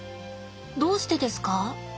どうしてですか？